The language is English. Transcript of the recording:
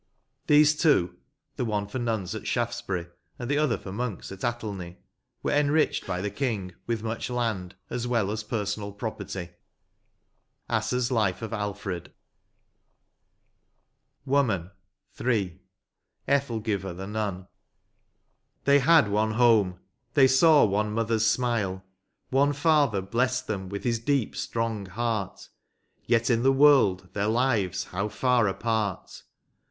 These two (the one for nuns at Shaftsbury, and the other for monks at Athelney) were enriched by the King with much land, as well as personal property." — Assers " Life of Alfredr 113 LVL WOMAN. — ^III. ETHELGIVA THE NUN. They had one home, they saw one mother s smile, One father blessed them with his deep, strong heart, Yet in the world their lives how far apart